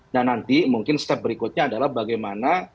dan nanti mungkin langkah berikutnya adalah bagaimana